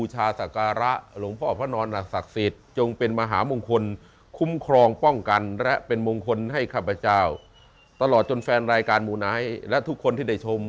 หลวงพ่อพระนอนนะครับ